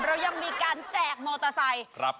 เรายังมีการแจกมอเตอร์ไซค์